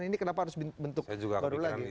ini kenapa harus bentuk baru lagi